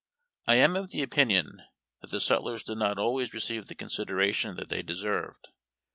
I am of the opinion that the sutlers did not always receive the consideration that the}^ deserved.